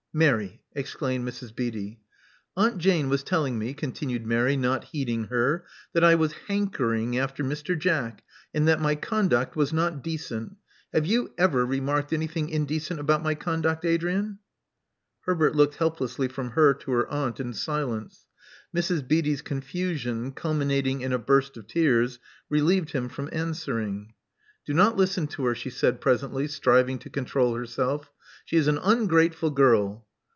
Mary," exclaimed Mrs. Beatty. Aunt Jane was telling me," continued Mary, not heeding her, that I was hankering after Mr. Jack, and that my conduct was not decent. Have you ever remarked anything indecent about my conduct, Adrian?" Love Among the Artists 105 Herbert looked helplessly from her to her aunt in silence. Mrs. Beatty's confusion, culminating in a burst of tears, relieved him from answering. Do not listen to her, she said presently, striving to control herself. She is an ungrateful girl.